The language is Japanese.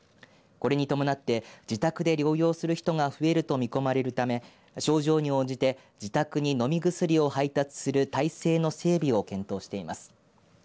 これに伴って自宅で療養する人が増えると見込まれるため症状に応じて自宅に飲み薬を配達する体制の整備を検討しています。